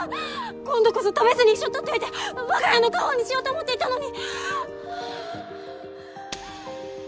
今度こそ食べずに一生取っといてわが家の家宝にしようと思っていたのに！